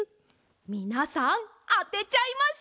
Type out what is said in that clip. みなさんあてちゃいましょう！